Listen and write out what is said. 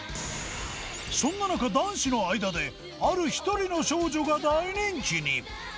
そんな中男子の間である１人の少女が大人気に